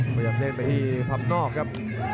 พยายามเล่นไปที่ทำนอกครับ